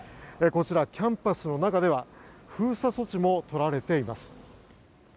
こちら、キャンパスの中では封鎖措置も取られています。